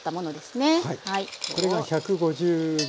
これが１５０ｇ。